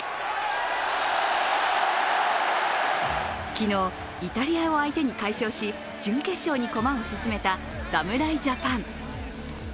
昨日、イタリアを相手に快勝し、準決勝に駒を進めた侍ジャパン。